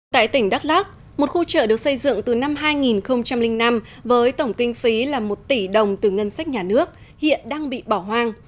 tại tỉnh đắk lắc một khu chợ được xây dựng từ năm hai nghìn năm với tổng kinh phí là một tỷ đồng từ ngân sách nhà nước hiện đang bị bỏ hoang